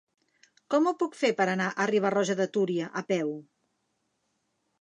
Com ho puc fer per anar a Riba-roja de Túria a peu?